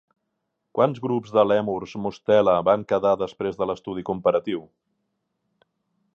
Quants grups de lèmurs mostela van quedar després de l'estudi comparatiu?